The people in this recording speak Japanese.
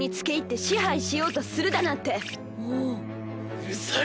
うるさい。